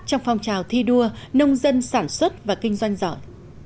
trong phong trào thi đua nông dân sản xuất và kinh doanh giỏi